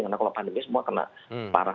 karena kalau pandemi semua kena parah